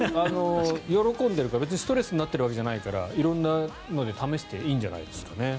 喜んでるから別にストレスになっているわけじゃないから色んなので試していいんじゃないでしょうかね。